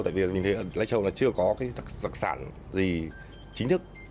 tại vì mình thấy là lai châu là chưa có cái thực sản gì chính thức